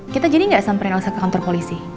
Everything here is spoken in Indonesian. kita jadi gak samperin elsa ke kantor polisi